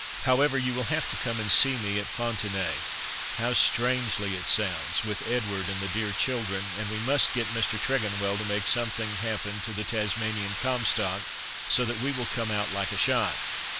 "However, you will have to come and see me at Fontenaye!—how strangely it sounds—with Edward and the dear children, and we must get Mr. Tregonwell to make something happen to the Tasmanian Comstock, so that we will come out like a shot.